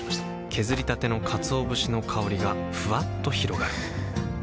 削りたてのかつお節の香りがふわっと広がるはぁ。